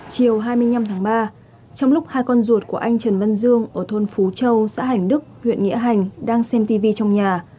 chiều hai mươi năm tháng ba trong lúc hai con ruột của anh trần văn dương ở thôn phú châu xã hành đức huyện nghĩa hành đang xem tv trong nhà